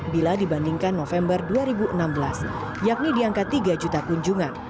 bila dibandingkan november dua ribu enam belas yakni di angka tiga juta kunjungan